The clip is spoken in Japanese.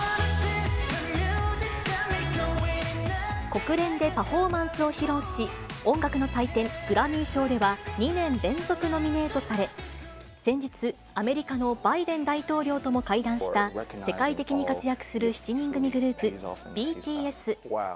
国連でパフォーマンスを披露し、音楽の祭典、グラミー賞では２年連続ノミネートされ、先日、アメリカのバイデン大統領とも会談した、世界的に活躍する７人組グループ、ＢＴＳ。